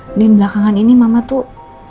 mungkin belakangan ini mama tuh